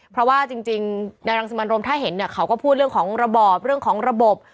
เพราะว่าจริงนายรังสิมันโรมถ้าเห็นเนี่ยเขาก็พูดเรื่องของระบอบเรื่องของระบบ